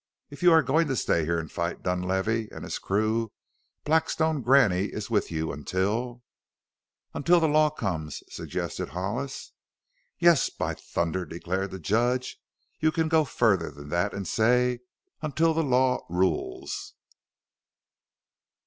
If you are going to stay here and fight Dunlavey and his crew, Blackstone Graney is with you until " "Until the Law comes," suggested Hollis. "Yes, by thunder!" declared the judge. "You can go further than that and say: 'until the Law rules!'"